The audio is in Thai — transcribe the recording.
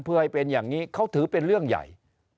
เพื่อให้เป็นอย่างนี้เขาถือเป็นเรื่องใหญ่